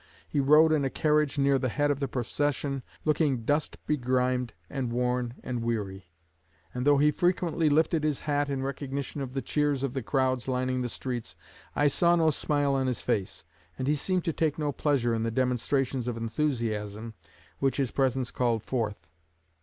He rode in a carriage near the head of the procession, looking dust begrimed and worn and weary; and though he frequently lifted his hat in recognition of the cheers of the crowds lining the streets, I saw no smile on his face, and he seemed to take no pleasure in the demonstrations of enthusiasm which his presence called forth.